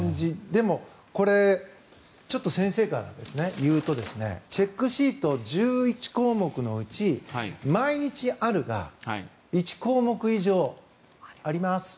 でも、これ先生から言うとチェックシート１１項目のうち毎日あるが１項目以上、あります